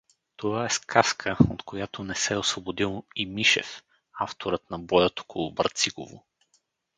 Това е сказка, от която не се е освободил и Мишев, авторът на „Боят около Брацигово“.